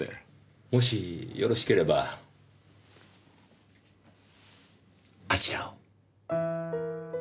もしよろしければあちらを。